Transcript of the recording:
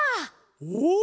お！